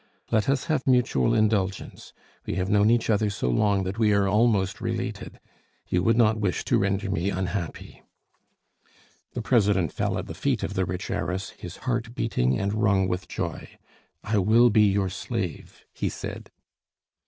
Let us have mutual indulgence. We have known each other so long that we are almost related; you would not wish to render me unhappy." The president fell at the feet of the rich heiress, his heart beating and wrung with joy. "I will be your slave!" he said.